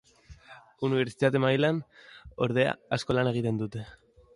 Unibertsitate mailan, ordea, asko lan egiten dute.